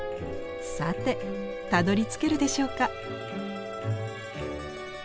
さてたどりつけるでしょうか？